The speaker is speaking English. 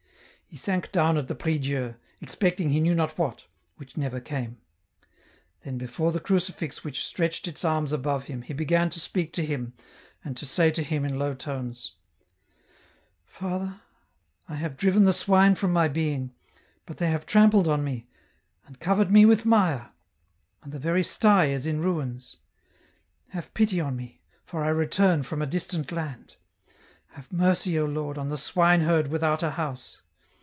He sank down at the prie Dieu, expecting he knew not what, which never came ; then before the crucifix which stretched its arms above him, he began to speak to Him, and to say to Him in low tones :" Father, I have driven the swine from my being, but they have trampled on me, and covered me with mire, and the very stye is in ruins. Have pity on me, for I return from a distant land. Have mercy, O Lord, on the swine herd without a house.